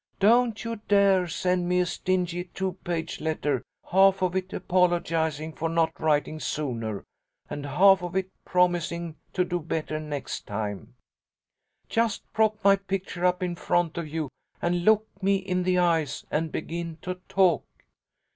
Don't you dare send me a stingy two page letter, half of it apologising for not writing sooner, and half of it promising to do better next time. "'Just prop my picture up in front of you and look me in the eyes and begin to talk.